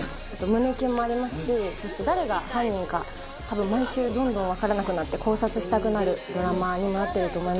胸キュンもありますしそして誰が犯人か多分毎週どんどんわからなくなって考察したくなるドラマになってると思います。